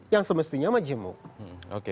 yang semestinya majemuk